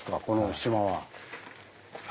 この島は。